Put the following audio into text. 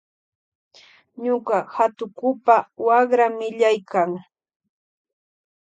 Ñuka hatukupa wakra millaykan.